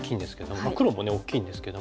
まあ黒もね大きいんですけども。